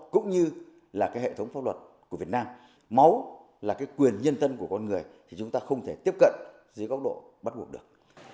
cũng như là cái hệ thống pháp luật của việt nam máu là cái quyền nhân thân của con người thì chúng ta không thể tiếp cận dưới góc độ bắt buộc được